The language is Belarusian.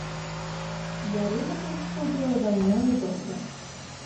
Ярына паўсходзіла даўно і добра.